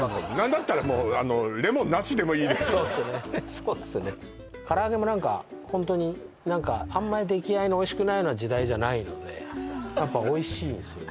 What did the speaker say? そうっすね唐揚げも何かホントに何か出来合いのおいしくないような時代じゃないのでやっぱおいしいんですよね